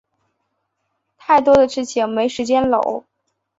太多的事情没时间搂